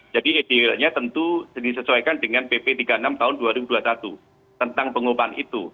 jadi idealnya tentu disesuaikan dengan pp tiga puluh enam tahun dua ribu dua puluh satu tentang pengupahan itu